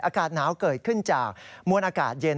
อากาศหนาวเกิดขึ้นจากมวลอากาศเย็น